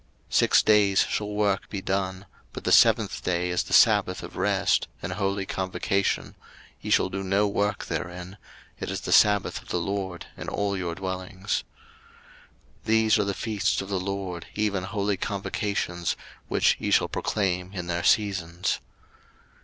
03:023:003 Six days shall work be done: but the seventh day is the sabbath of rest, an holy convocation; ye shall do no work therein: it is the sabbath of the LORD in all your dwellings. 03:023:004 These are the feasts of the LORD, even holy convocations, which ye shall proclaim in their seasons.